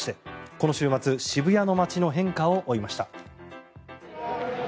この週末、渋谷の街の変化を追いました。